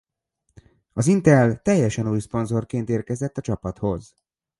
Az Intel teljesen új szponzorként érkezett a csapathoz.